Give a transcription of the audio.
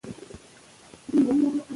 نو د دې خيالاتو کنټرول